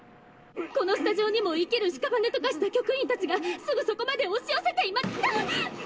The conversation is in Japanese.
このスタジオにも生きる屍と化した局員たちがすぐそこまで押し寄せていまきゃあ！